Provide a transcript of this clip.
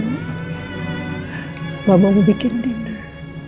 mama mau bikin dinner